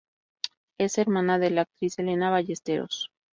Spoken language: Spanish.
Es hermana de la actriz Elena Ballesteros.